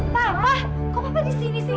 papa kok papa di sini sih